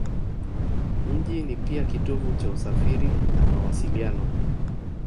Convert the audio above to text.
Mji ni pia kitovu cha usafiri na mawasiliano.